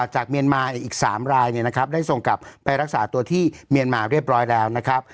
เมียนมาอีก๓รายได้ส่งกลับไปรักษาตัวที่เมียนมาเรียบร้อยแล้วนะครับ